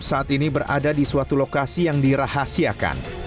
saat ini berada di suatu lokasi yang dirahasiakan